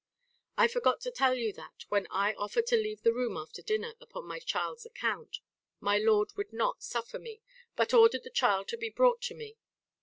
I forgot to tell you that, when I offered to leave the room after dinner upon my child's account, my lord would not suffer me, but ordered the child to be brought to me.